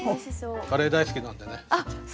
カレー大好きなんでね。